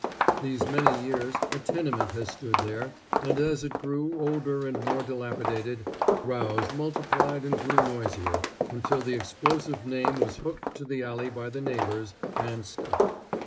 These many years a tenement has stood there, and as it grew older and more dilapidated, rows multiplied and grew noisier, until the explosive name was hooked to the alley by the neighbors, and stuck.